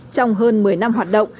trong hơn một mươi năm hoạt động